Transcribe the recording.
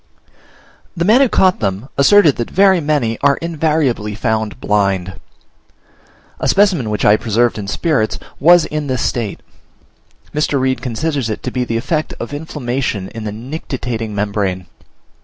The man who caught them asserted that very many are invariably found blind. A specimen which I preserved in spirits was in this state; Mr. Reid considers it to be the effect of inflammation in the nictitating membrane.